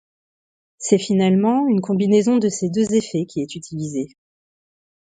C'est finalement une combinaison de ces deux effets qui est utilisée.